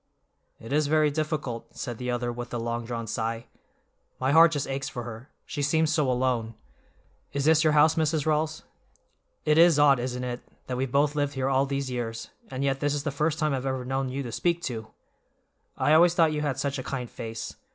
"It is very difficult," said the other with a long drawn sigh. "My heart just aches for her, she seems so alone. Is this your house, Mrs. Rawls? It is odd, isn't it, that we've both lived here all these years, and yet this is the first time I've ever known you to speak to. I always thought you had such a kind face.